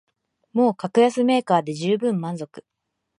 もう格安メーカーでじゅうぶん満足